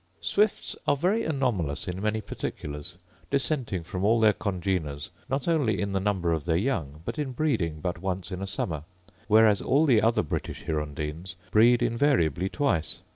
Swifts are very anomalous in many particulars, dissenting from all their congeners not only in the number of their young, but in breeding but once in a summer; whereas all the other British hirundines breed invariably twice.